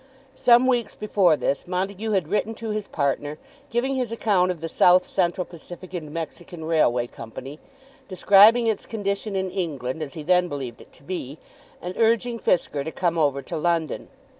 Some weeks before this Montague had written to his partner, giving his account of the South Central Pacific and Mexican Railway Company, describing its condition in England as he then believed it to be, and urging Fisker to come over to London.